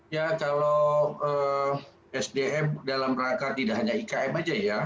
ya kalau sdm dalam rangka tidak hanya ikm aja ya